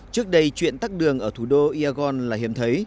trước đây chuyện tắt đường ở thủ đô iagon là hiếm thấy